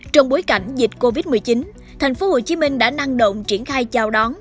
trong bối cảnh dịch covid một mươi chín thành phố hồ chí minh đã năng động triển khai chào đón